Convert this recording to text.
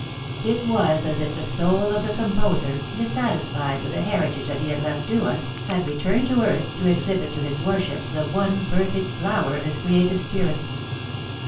It was as if the soul of the composer, dissatisfied with the heritage that he had left to us, had returned to earth to exhibit to his worships the one perfect flower of his creative spirit.